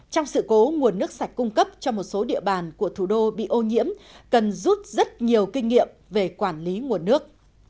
trong sự cố nguồn nước sạch cung cấp cho một số địa bàn của thủ đô bị ô nhiễm cần rút rất nhiều kinh nghiệm về quản lý nguồn nước